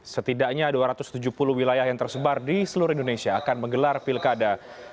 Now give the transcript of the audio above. setidaknya dua ratus tujuh puluh wilayah yang tersebar di seluruh indonesia akan menggelar pilkada dua ribu dua puluh